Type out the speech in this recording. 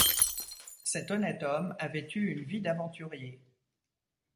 Cet honnête homme avait eu une vie d’aventurier.